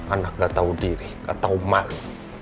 anak gak tau diri gak tau malu